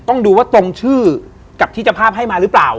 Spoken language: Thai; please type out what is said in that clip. ต้องดูว่าตรงชื่อกับที่เจ้าภาพให้มาหรือเปล่า